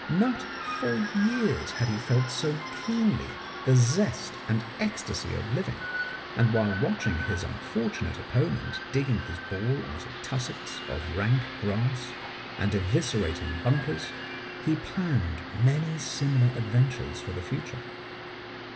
Not for years had he felt so keenly the zest and ecstasy of living, and while watching his unfortunate opponent digging his ball out of tussocks of rank grass and eviscerating bunkers, he planned many similar adventures for the future.